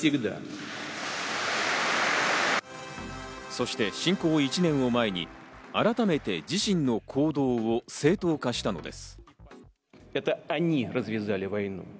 そして侵攻１年を前に、改めて自身の行動を正当化したのです。